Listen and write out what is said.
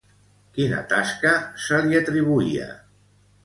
Quina tasca se li atribuïa?